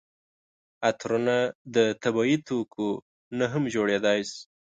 عطرونه د طبیعي توکو نه هم جوړیدای شي.